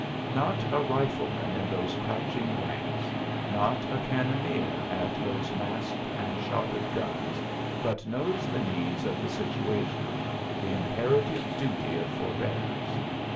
Not a rifleman in those crouching ranks, not a cannoneer at those masked and shotted guns, but knows the needs of the situation, the imperative duty of forbearance.